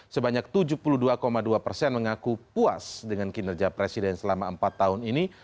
sebanyak tujuh puluh dua dua persen mengaku puas dengan kinerja presiden selama empat tahun ini